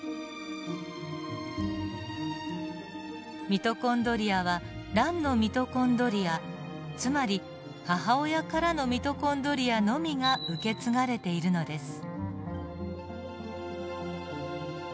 ミトコンドリアは卵のミトコンドリアつまり母親からのミトコンドリアのみが受け継がれているのです。